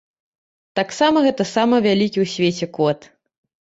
Таксама гэта самы вялікі ў свеце кот.